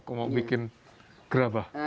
kalau bikin gerabah